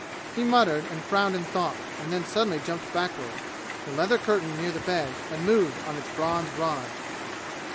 He muttered and frowned in thought, and then suddenly jumped backward. The leather curtain near the bed had moved on its bronze rod.